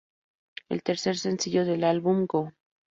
El tercer sencillo del álbum, "Go!